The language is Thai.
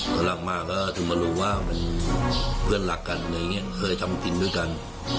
ตอนแรกมากก็ถึงมารู้ว่าเป็นเพื่อนหลักกันเคยทำจริงด้วยกัน